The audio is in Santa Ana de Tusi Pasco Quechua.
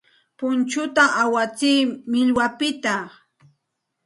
Punchuta awantsik millwapiqta.